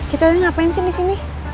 kita tadi ngapain sih disini